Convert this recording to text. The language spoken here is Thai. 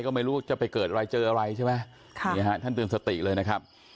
ก็ไม่รู้จะไปเกิดอะไรเจออะไรใช่ไหมค่ะนี่ฮะท่านเตือนสติเลยนะครับ